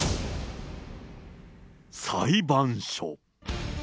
裁判所。